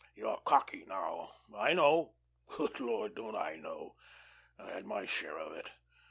You're cocky now. I know good Lord, don't I know. I had my share of it.